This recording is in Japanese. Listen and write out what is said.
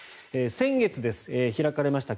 先月、開かれました